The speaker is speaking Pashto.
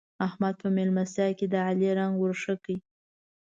احمد په مېلمستيا کې د علي رنګ ور ښه کړ.